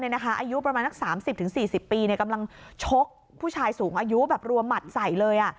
อายุประมาณสัก๓๐๔๐ปีกำลังชกผู้ชายสูงอายุแบบรวมหมัดใส่เลย